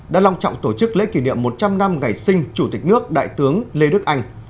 đã long trọng tổ chức lễ kỷ niệm một trăm linh năm ngày sinh chủ tịch nước đại tướng lê đức anh